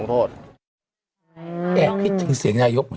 ตราบใดที่ตนยังเป็นนายกอยู่